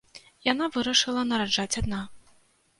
Яна вырашыла нараджаць адна.